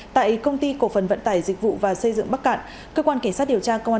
tại công ty cổ phần vận tải dịch vụ và xây dựng bắc cạn cơ quan cảnh sát điều tra công an